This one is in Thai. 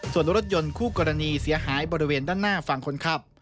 ส่วนรถยนต์คู่กรณีเสียหายบริเวณด้านหน้าฝั่งคนขับ